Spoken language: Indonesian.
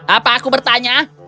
apa aku bertanya